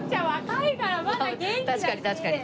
確かに確かに。